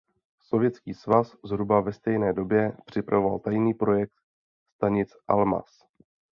Sovětský svaz zhruba ve stejné době připravoval tajný projekt stanic Almaz.